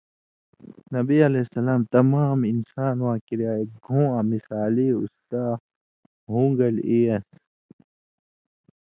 نبی علیہ السلام تمام انساَنوں کِراں اک گَھوں آں مثالی اُستاذ ہُونٚگل اِیلانٚس۔